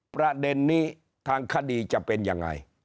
ประเด็นนี้ทางคดีจะเป็นยังไง